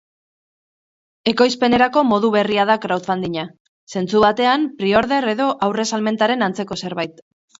Ekoizpenerako modu berria da crowdfunding-a, zentzu batean pre-order edo aurresalmentaren antzeko zerbait.